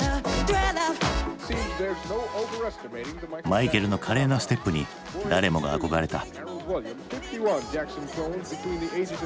マイケルの華麗なステップに誰もが憧れた。